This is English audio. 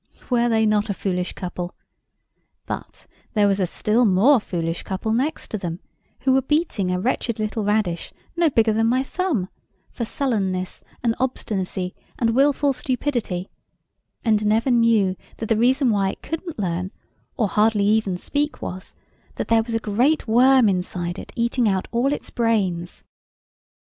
Were they not a foolish couple? But there was a still more foolish couple next to them, who were beating a wretched little radish, no bigger than my thumb, for sullenness and obstinacy and wilful stupidity, and never knew that the reason why it couldn't learn or hardly even speak was, that there was a great worm inside it eating out all its brains.